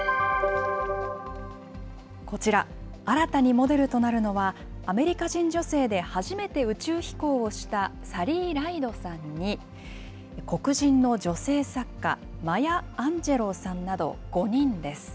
こちら、新たにモデルとなるのは、アメリカ人女性で初めて宇宙飛行をしたサリー・ライドさんに、黒人の女性作家、マヤ・アンジェロウさんなど５人です。